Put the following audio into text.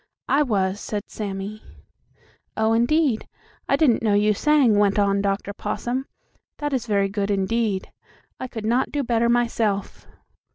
"I was," said Sammie. "Oh, indeed; I didn't know you sang," went on Dr. Possum. "That is very good indeed. I could not do better myself.